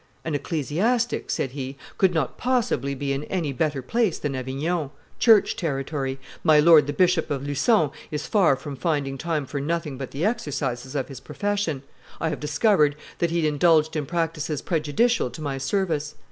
"An ecclesiastic," said he, "could not possibly be in any better place than Avignon, church territory; my lord the Bishop of Lucon is far from finding time for nothing but the exercises of his profession; I have discovered that he indulged in practices prejudicial to my service.